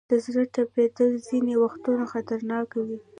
د زړه ټپېدل ځینې وختونه خطرناک وي.